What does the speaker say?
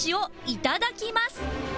いただきます！